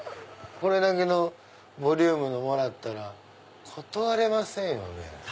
これだけのボリュームのもらったら断れませんよね。